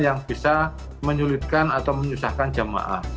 yang bisa menyulitkan atau menyusahkan jemaah